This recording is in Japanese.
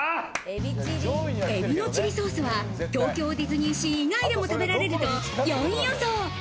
海老のチリソースは東京ディズニーシー以外でも食べられると４位予想。